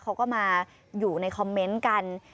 เขาก็มาอยู่ในคอมเมนต์กัน